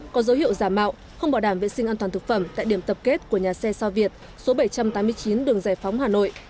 có dấu hiệu giả mạo không bảo đảm vệ sinh an toàn thực phẩm tại điểm tập kết của nhà xe sao việt số bảy trăm tám mươi chín đường giải phóng hà nội